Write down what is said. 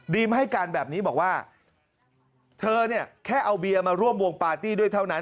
ให้การแบบนี้บอกว่าเธอเนี่ยแค่เอาเบียร์มาร่วมวงปาร์ตี้ด้วยเท่านั้น